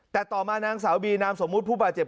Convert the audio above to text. แต่ต่อมานางสาวบีนามสมมุติผู้บาดเจ็บ